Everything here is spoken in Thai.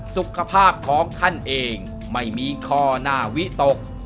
สุขภาพของท่านเองไม่มีข้อหน้าวิตก